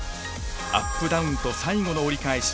アップダウンと最後の折り返し。